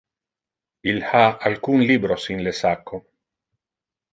Il ha alcun libros in le sacco.